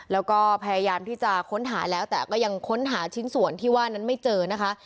แล้วก็พยายามที่จะค้นหาแล้วแต่ก็ยังค้นหาชิ้นส่วนที่ว่านั้นไม่เจอนะคะ